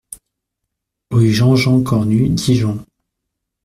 Rue Jean-Jean Cornu, Dijon